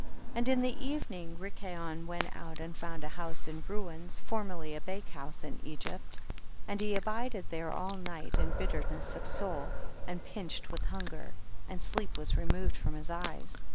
6. And in the evening Rikayon went out and found a house in ruins, formerly a bake house in Egypt, and he abided there all night in bit terness of soul and pinched with hunger, and sleep was removed from his eyes.